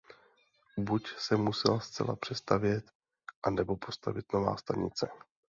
Buď se musela zcela přestavět a nebo postavit nová stanice.